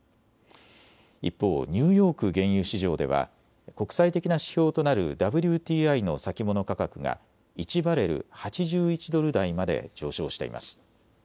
一方、ニューヨーク原油市場では国際的な指標となるＷＴＩの先物価格が１バレル８１ドル台まで上昇しています。